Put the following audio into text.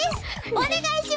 お願いします！